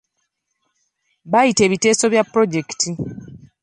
Bayita ebiteeso bya pulojekiti.